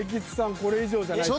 これ以上じゃないと。